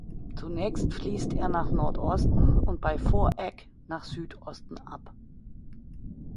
Zunächst fließt er nach Nordosten und bei Fohregg nach Südosten ab.